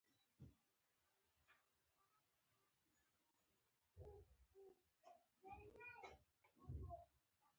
دده له رازه د خارجيانو غيبي خبرېدو بېخي سربداله کړی و.